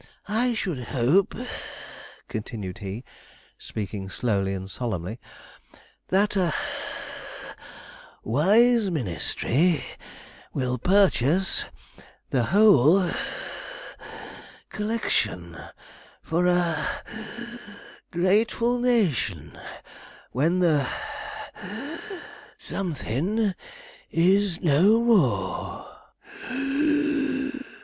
'I should hope,' continued he, speaking slowly and solemnly, 'that a (puff) wise ministry will purchase the whole (puff) collection for a (wheeze) grateful nation, when the (wheeze)' something 'is no more (wheeze).'